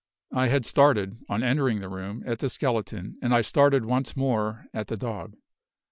I had started, on entering the room, at the skeleton, and I started once more at the dog.